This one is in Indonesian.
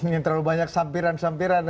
ingin terlalu banyak sampiran sampiran